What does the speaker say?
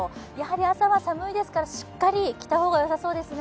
朝は寒いですから、しっかり着たが良さそうですね。